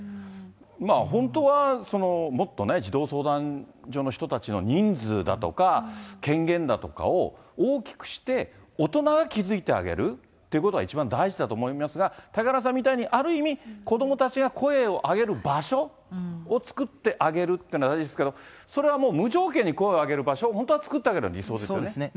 本当はもっとね、児童相談所の人たちの人数だとか、権限だとかを大きくして、大人が気付いてあげるということが一番大事だと思いますが、嵩原さんみたいに、ある意味、子どもたちが声を上げる場所を作ってあげるっていうのは大事ですけど、それはもう無条件に声を上げる場所を本当は作っそうですね。